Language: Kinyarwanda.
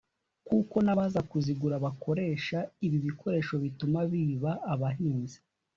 kuko n’abaza kuzigura bakoresha ibikoresho bituma biba abahinzi